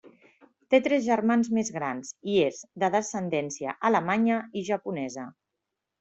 Té tres germans més grans i és de descendència alemanya i japonesa.